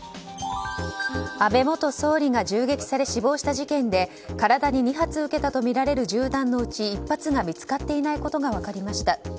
安倍元総理が銃撃され死亡した事件で体に２発受けたとみられる銃弾のうち、１発が見つかっていないことが分かりました。